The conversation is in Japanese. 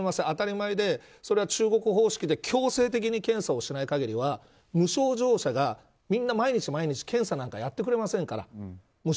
当たり前でそれは中国方式で強制的に診査をしない限りは無症状者がみんな毎日毎日、検査なんかやってくれませんから。